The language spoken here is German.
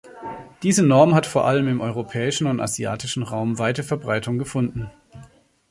Diese Norm hat vor allem im europäischen und asiatischen Raum weite Verbreitung gefunden.